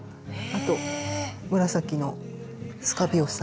あと紫のスカビオサ。